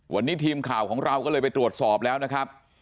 วันนี้ทีมข่าวของเราก็เลยไปตรวจสอบแล้วนะครับ